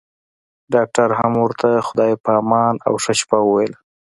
ډاکټر هم ورته خدای په امان او ښه شپه وويله.